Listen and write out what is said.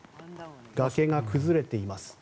崖が崩れています。